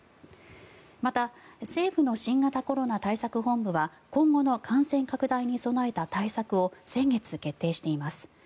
また政府の新型コロナ対策本部は今後の感染拡大に備えた対策を先月、決定しています。